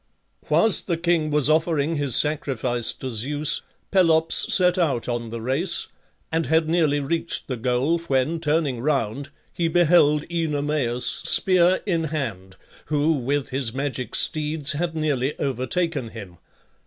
Whilst the king was offering his sacrifice to Zeus Pelops set out on the race, and had nearly reached the goal, when, turning round, he beheld Oenomaus, spear in hand, who, with his magic steeds, had nearly overtaken him.